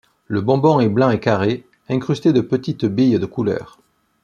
Le bonbon est blanc et carré, incrusté de petites billes de couleur.